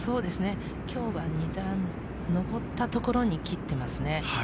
今日は２段、上った所に切っていますね。